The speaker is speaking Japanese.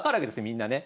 みんなね。